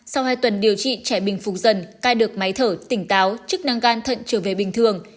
sau hai tuần điều trị trẻ bình phục dần cai được máy thở tỉnh táo chức năng gan thận trở về bình thường